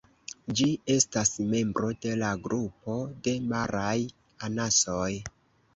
Ĝi estas membro de la grupo de maraj anasoj.